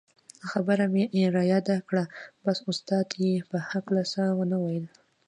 خبره مې رایاده کړه بس استاد یې په هکله څه و نه ویل.